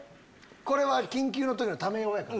これは緊急の時のため用やから。